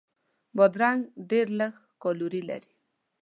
بادرنګ ډېر لږ کالوري لري.